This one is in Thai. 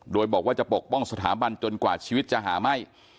โดยบอกว่าจะปกป้องสถาบันจนกว่าชีวิตจะหาไหม้